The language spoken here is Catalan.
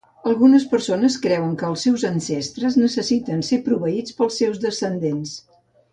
Algunes persones creuen que els seus ancestres necessiten ser proveïts pels seus descendents.